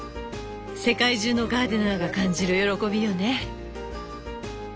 世界中のガーデナーが感じる喜びよね。